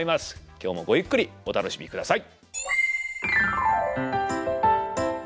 今日もごゆっくりお楽しみください。